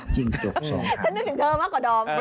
ฉันนึกถึงเธอมากกว่าดอม